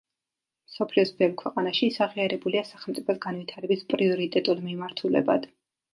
მსოფლიოს ბევრ ქვეყანაში ის აღიარებულია სახელმწიფოს განვითარების პრიორიტეტულ მიმართულებად.